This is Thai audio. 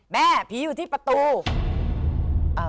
แม่ผีอยู่ที่ประตู